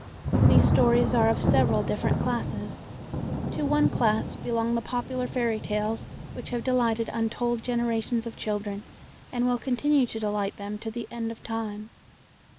These stories are of several different classes. To one class belong the popular fairy tales which have delighted untold generations of children, and will continue to delight them to the end of time.